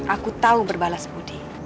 aku tahu berbalas budi